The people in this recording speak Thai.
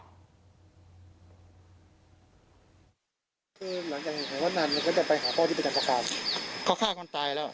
คือหลังจากไหนวันนั้นก็จะไปหาพ่อที่ไปกันประคาบเขาฆ่าคนตายแล้ว